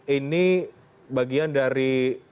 ini bagian dari